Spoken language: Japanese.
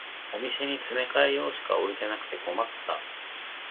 お店に詰め替え用しか置いてなくて困った